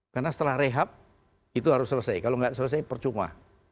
karena setelah rehab itu harus selesai kalau nggak selesai percuma